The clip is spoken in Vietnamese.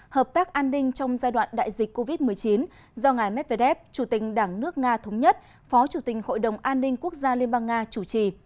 hợp tác an ninh trong giai đoạn đại dịch covid một mươi chín do ngài medvedev chủ tình đảng nước nga thống nhất phó chủ tình hội đồng an ninh quốc gia liên bang nga chủ trì